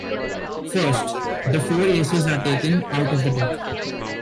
First, the four aces are taken out of the deck.